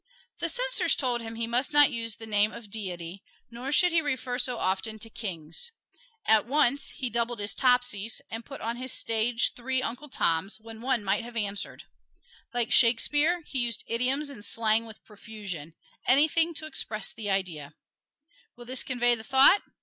The censors told him he must not use the name of Deity, nor should he refer so often to kings. At once, he doubled his Topseys and put on his stage three Uncle Toms when one might have answered. Like Shakespeare, he used idioms and slang with profusion anything to express the idea. Will this convey the thought?